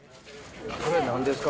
これ、なんですか？